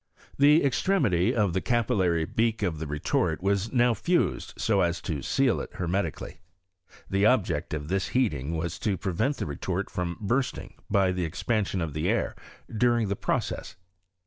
Theentremityof the capillary beak of the retort was now fused so as to seal it hermetically. The object of this heating waJ to prevent the retort from bursting by the espansioa of the air during the process.